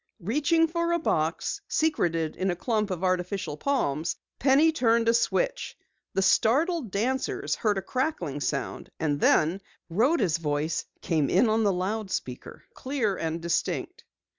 Reaching for a box secreted in a clump of artificial palms, Penny turned a switch. The startled dancers heard a crackling sound, and then Rhoda's voice came in on the loudspeaker, clear and distinct.